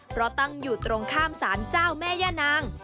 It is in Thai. เพราะตั้งอยู่ตรงข้ามสารเจ้าแม่ย่านาง